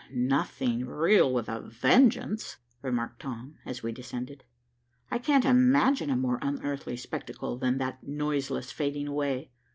"Nothing real, with a vengeance," remarked Tom, as we descended. "I can't imagine a more unearthly spectacle than that noiseless fading away.